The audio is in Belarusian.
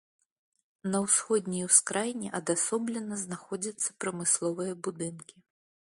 На ўсходняй ускраіне адасоблена знаходзяцца прамысловыя будынкі.